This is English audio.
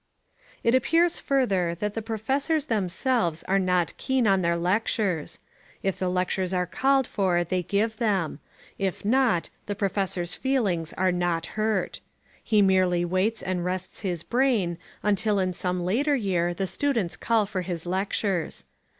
It appears further that the professors themselves are not keen on their lectures. If the lectures are called for they give them; if not, the professor's feelings are not hurt. He merely waits and rests his brain until in some later year the students call for his lectures.